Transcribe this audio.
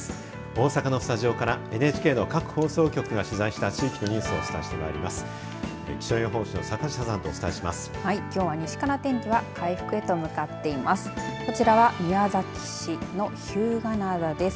大阪のスタジオからＮＨＫの各放送局が取材した地域のニュースをお伝えしてまいります。